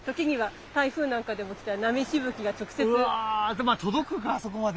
でも届くかあそこまで。